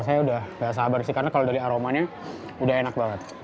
saya udah gak sabar sih karena kalau dari aromanya udah enak banget